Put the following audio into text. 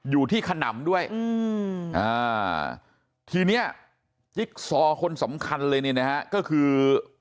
ขนำด้วยทีเนี้ยจิ๊กซอคนสำคัญเลยเนี่ยนะฮะก็คือ